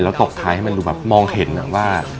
แล้วตกท้ายให้มันดูแบบมองเห็นอะว่า